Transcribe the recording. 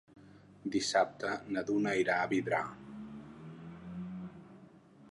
Dissabte na Duna irà a Vidrà.